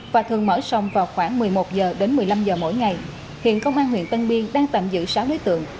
và thường mở sông vào khoảng một mươi một h đến một mươi năm h mỗi ngày hiện công an huyện tân biên đang tạm giữ sáu đối tượng